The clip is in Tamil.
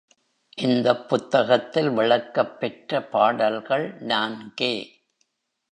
இந்தப் புத்தகத்தில் விளக்கப் பெற்ற பாடல்கள் நான்கே.